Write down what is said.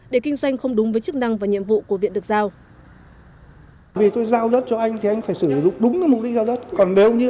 để kinh doanh không đúng với chức năng và nhiệm vụ của viện được giao